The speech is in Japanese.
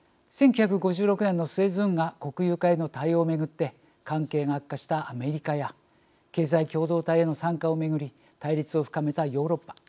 １９５６年のスエズ運河国有化への対応を巡って関係が悪化したアメリカや経済共同体への参加を巡り対立を深めたヨーロッパ。